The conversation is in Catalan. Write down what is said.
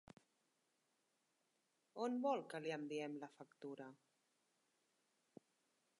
On vol que li enviem la factura?